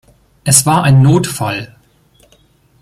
Es war ein Notfall.